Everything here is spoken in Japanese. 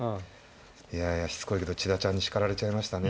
いやいやしつこいけど千田ちゃんに叱られちゃいましたね。